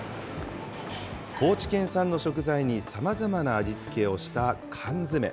高知県産の食材にさまざまな味付けをした缶詰。